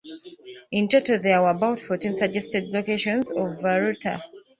In total there were about fourteen suggested locations of Voruta.